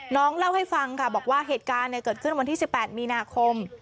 น้องเล่าให้ฟังค่ะบอกว่าเหตุการณ์เกิดขึ้นวันที่๑๘มีนาคม